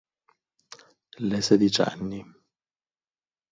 Le sedicenni